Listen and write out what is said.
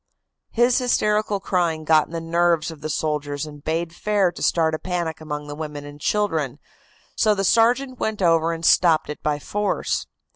"His hysterical crying got in the nerves of the soldiers and bade fair to start a panic among the women and children, so the sergeant went over and stopped it by force.